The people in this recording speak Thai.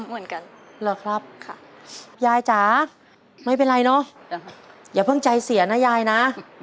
เหมือนกันเหรอครับค่ะยายจ๋าไม่เป็นไรเนอะอย่าเพิ่งใจเสียนะยายนะ